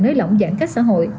nới lỏng giãn cách xã hội